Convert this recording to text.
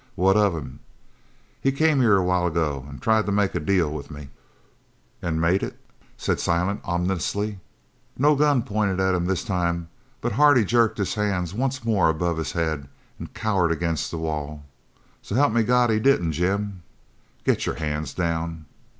"What of him?" "He came here a while ago an' tried to make a deal with me." "An' made it!" said Silent ominously. No gun pointed at him this time, but Hardy jerked his hands once more above his head and cowered against the wall. "So help me God he didn't, Jim." "Get your hands down."